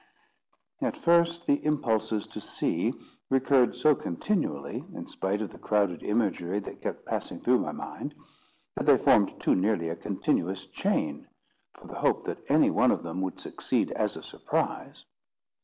At first the impulses to see recurred so continually, in spite of the crowded imagery that kept passing through my mind, that they formed too nearly a continuous chain, for the hope that any one of them would succeed as a surprise.